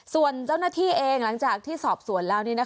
ส่วนเจ้าหน้าที่เองหลังจากที่สอบสวนแล้ว